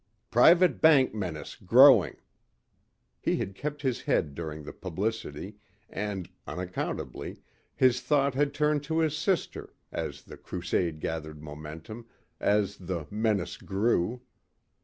"Private Bank Menace Growing...." He had kept his head during the publicity and, unaccountably, his thought had turned to his sister as the crusade gathered momentum, as the "menace grew."